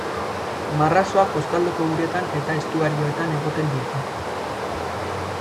Marrazoak kostaldeko uretan eta estuarioetan egoten dira.